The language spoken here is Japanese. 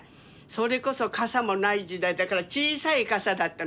それこそ傘もない時代だから小さい傘だったの。